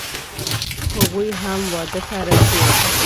هغوی هم واده ته راځي